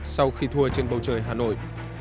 sau khi thua trên bầu trời hà nội